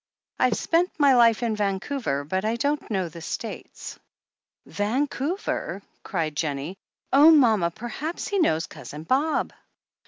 "I've spent my life in Vancouver, but I don't know the States." "Vancouver!" cried Jennie. "Oh, mama, perhaps he knows Cousin Bob!"